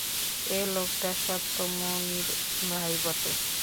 এ লোকটা সত্যই ননির ভাই বটে।